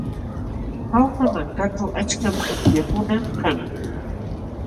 Jauja malkaćhu achkam pukllaykuna kan.